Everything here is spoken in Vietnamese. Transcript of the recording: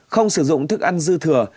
không sử dụng thức ăn dư thừa